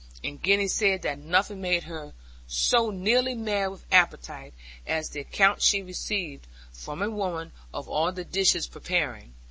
And Gwenny said that nothing made her so nearly mad with appetite as the account she received from a woman of all the dishes preparing.